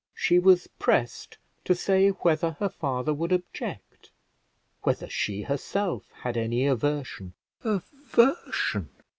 She was pressed to say whether her father would object; whether she herself had any aversion (aversion!